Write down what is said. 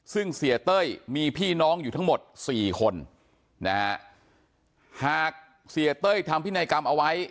ซึ่งเสียเต้ยมีพี่น้องอยู่ทั้งหมดสี่คนนะฮะหากเสียเต้ยทำพินัยกรรมเอาไว้